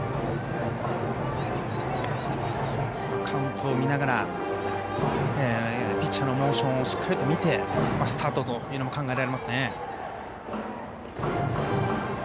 カウントを見ながらピッチャーのモーションをしっかりと見てスタートというのも考えられますね。